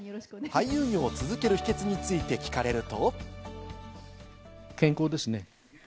俳優業を続ける秘訣について聞かれると。